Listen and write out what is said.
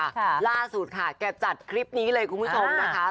ค่ะล่าสุดค่ะแกจัดคลิปนี้เลยคุณผู้ชมนะคะ